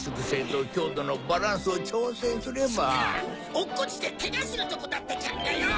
落っこちてケガするとこだったじゃんかよ！